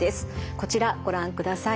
こちらご覧ください。